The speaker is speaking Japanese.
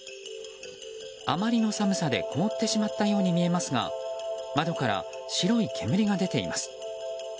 あまりの寒さで凍ってしまったように見えますが窓から白い煙が出ています。